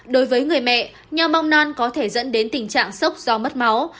đối với người mẹ nhau bong non có thể dẫn đến tình trạng sốc do mất máu